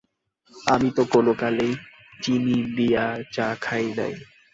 আমি তো কোনোকালেই চিনি দিয়া চা খাই না।